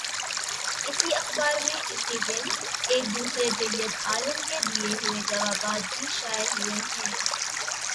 اسی اخبار میں، اسی دن، ایک دوسرے جید عالم کے دیے ہوئے جواب بھی شائع ہوئے ہیں۔